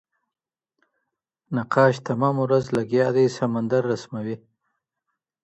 نقاش تمامه ورځ لګیا دی سمندر رسموي.